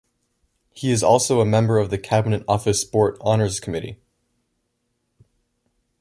He is also a member of the Cabinet Office Sport Honours Committee.